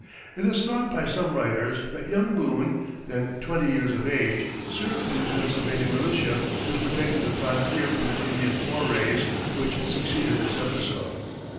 It is thought by some writers that young Boone, then twenty years of age, served in the Pennsylvania militia which protected the frontier from the Indian forays which succeeded this episode.